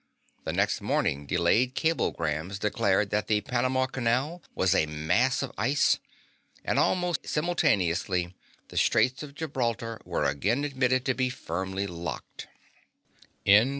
The next morning delayed cablegrams declared that the Panama Canal was a mass of ice, and almost simultaneously the Straits of Gibraltar were again admitted to be firmly locked.